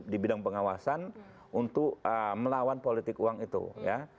di bidang pengawasan untuk melawan politik uang itu ya